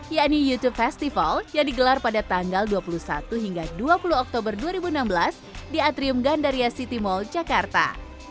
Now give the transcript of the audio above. yakni youtube festival yang digelar pada tanggal dua puluh satu hingga dua puluh oktober dua ribu enam belas di atrium gandaria city mall jakarta